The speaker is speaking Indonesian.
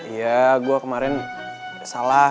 iya gue kemarin salah